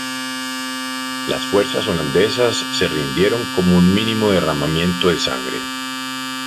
Las fuerzas holandesas se rindieron con un mínimo derramamiento de sangre.